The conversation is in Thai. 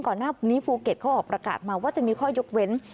หน้าภูเก็ตเขาออกประกาศมาว่าจะมีข้อยกเว้น